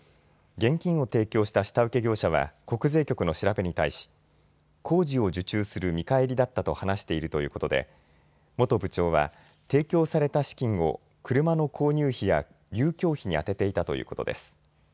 現金を提供した下請け業者は国税局の調べに対し工事を受注する見返りだったと話しているということで元部長は提供された資金を車の購入費や遊興費に充てていたということです。